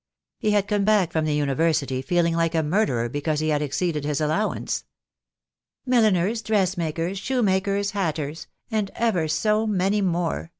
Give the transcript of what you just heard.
He had come back from the University feeling like a murderer, because he had exceeded his allowance. "Milliners, dressmakers, shoemakers, hatters — and ever so many more.